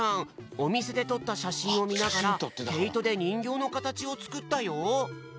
おみせでとったしゃしんをみながらけいとでにんぎょうのかたちをつくったよ。